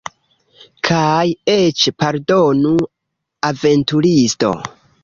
Kaj eĉ, pardonu, aventuristo.